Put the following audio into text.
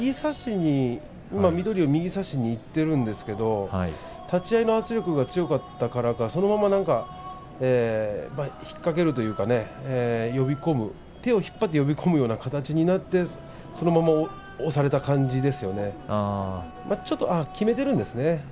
水戸龍は右を差しにいっているんですが立ち合いの圧力が強かったからか引っ掛けるというかね手を引っ張って呼び込むような形になってそのまま押された感じですねあっ、きめているんですね。